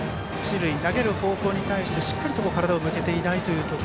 投げる方向に対してしっかり体を向けていなかった。